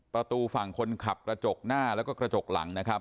ประตูฝั่งคนขับกระจกหน้าและกระจกหลัง